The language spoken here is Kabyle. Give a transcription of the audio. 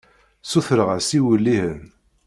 Sutreɣ-as iwellihen.